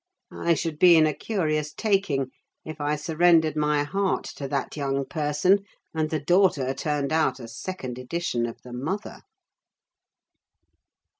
I should be in a curious taking if I surrendered my heart to that young person, and the daughter turned out a second edition of the mother.